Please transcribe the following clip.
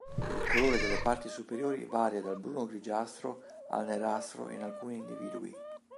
Il colore delle parti superiori varia dal bruno-grigiastro al nerastro in alcuni individui.